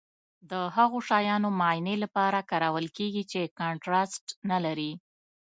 د هغو شیانو معاینې لپاره کارول کیږي چې کانټراسټ نه لري.